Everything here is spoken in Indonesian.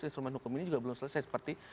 instrumen hukum ini juga belum selesai seperti